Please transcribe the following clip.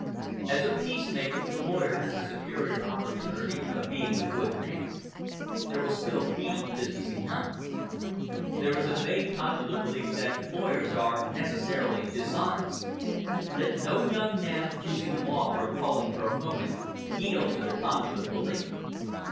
As a peacemaker the lawyer has a superior opportunity of being a good man. There will still be business enough." "There is a vague popular belief that lawyers are necessarily dishonest. Let no young man choosing the law for a calling for a moment yield to the popular belief.